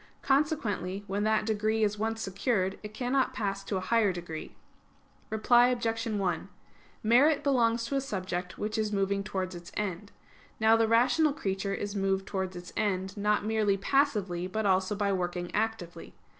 Consequently, when that degree is once secured, it cannot pass to a higher degree. Reply Obj. 1: Merit belongs to a subject which is moving towards its end. Now the rational creature is moved towards its end, not merely passively, but also by working actively.